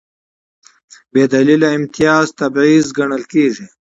بېدلیله امتیاز تبعیض ګڼل کېږي.